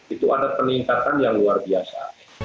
itu ada peningkatan yang luar biasa